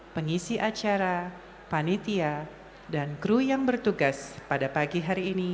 pengisi acara panitia dan kru yang bertugas pada pagi hari ini